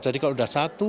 jadi kalau sudah satu